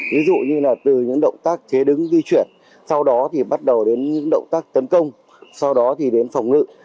ví dụ như là từ những động tác chế đứng di chuyển sau đó thì bắt đầu đến những động tác tấn công sau đó thì đến phòng ngự